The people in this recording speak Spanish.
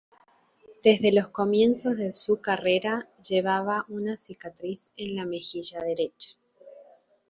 Desde los comienzos de su carrera llevaba una cicatriz en la mejilla derecha.